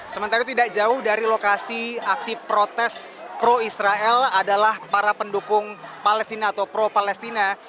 sementara itu tidak jauh dari lokasi aksi protes pro israel adalah para pendukung palestina atau pro palestina